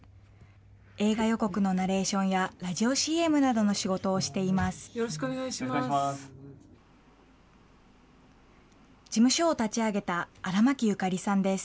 映画予告のナレーションや、ラジオＣＭなどの仕事をしています。